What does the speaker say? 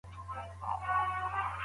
کوچنیو کاروبارونو وده کوله.